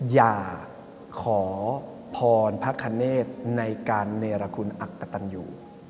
อย่าขอพรพระคเนธในการเนรคุณอักกะตันอยู่